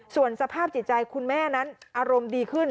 ส่วนสภาพจิตใจคุณแม่นั้นอารมณ์ดีขึ้น